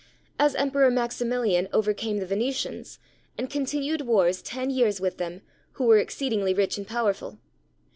As Emperor Maximilian overcame the Venetians, and continued wars ten years with them, who were exceedingly rich and powerful.